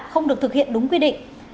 không được thực hiện đúng quy định